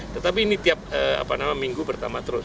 tetapi ini tiap minggu pertama terus